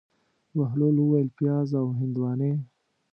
بهلول وویل: پیاز او هندواڼې.